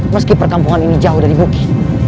meski perkampungan ini jauh dari bukit